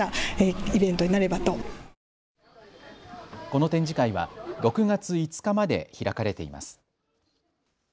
この展示会は６月５日まで開かれています。